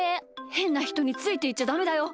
へんなひとについていっちゃダメだよ。